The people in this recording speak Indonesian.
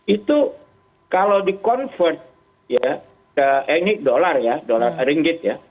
itu kalau di convert ya ini dolar ya dolar ringgit ya